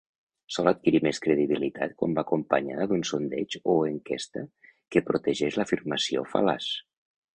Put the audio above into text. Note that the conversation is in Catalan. Sol adquirir més credibilitat quan va acompanyada d'un sondeig o enquesta que protegeix l'afirmació fal·laç.